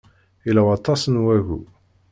Yella waṭas n wagu.